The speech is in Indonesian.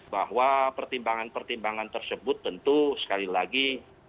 bahwa pertimbangan pertimbangan tersebut tentu sekali lagi